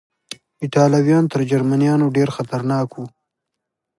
ایټالویان تر جرمنیانو ډېر خطرناک و.